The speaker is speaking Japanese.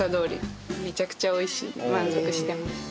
満足してます。